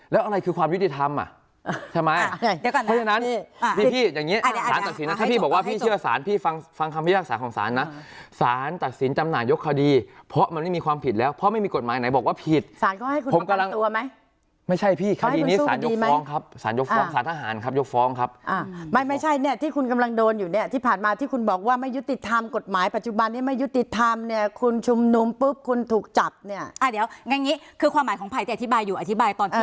แล้วอะไรคือความยุติธรรมอ่ะใช่ไหมเพราะฉะนั้นพี่พี่อย่างนี้สารตัดสินนะถ้าพี่บอกว่าพี่เชื่อสารพี่ฟังคำพยาบาลสารของสารนะสารตัดสินจำหน่ายยกคดีเพราะมันไม่มีความผิดแล้วเพราะไม่มีกฎหมายไหนบอกว่าผิดสารก็ให้คุณภาคตัวไหมไม่ใช่พี่คดีนี้สารยกฟ้องครับสารยกฟ้องสารทหารครับยก